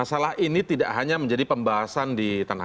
masalah ini tidak hanya menjadi pembahasan di tanah air